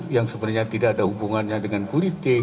yang sebenarnya tidak ada hubungannya dengan politik